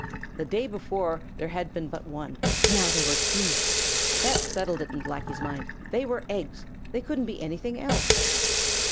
The day before there had been but one; now there were two. That settled it in Blacky's mind; they were eggs! They couldn't be anything else.